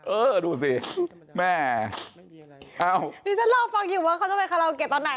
เออดูสิแม่นี่ฉันลองฟังอยู่ว่าเขาจะไปคลาวเกียรติตอนไหน